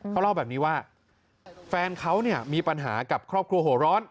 เขาเล่าแบบนี้ว่าแฟนเขาเนี่ยมีปัญหากับครอบครัวหัวร้อน